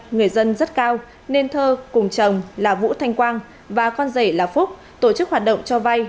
người dân rất cao nên thơ cùng chồng là vũ thanh quang và con rể là phúc tổ chức hoạt động cho vay